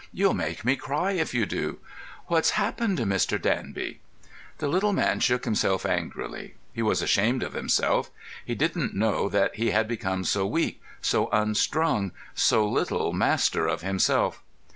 "You'll make me cry if you do. What's happened, Mr. Danby?" The little man shook himself angrily. He was ashamed of himself. He didn't know that he had become so weak, so unstrung, so little master of himself.